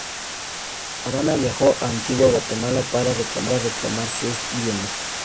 Arana viajó a Antigua Guatemala para reclamar sus bienes.